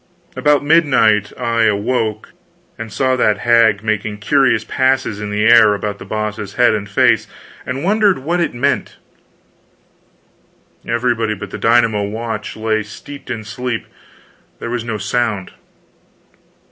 About midnight I awoke, and saw that hag making curious passes in the air about The Boss's head and face, and wondered what it meant. Everybody but the dynamo watch lay steeped in sleep; there was no sound.